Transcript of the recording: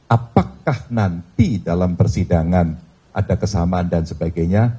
apakah nanti dalam persidangan ada kesamaan dan sebagainya